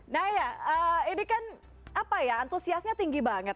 naya ini kan apa ya antusiasnya tinggi banget